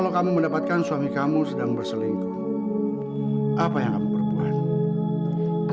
sudah berapa lama kalian berdua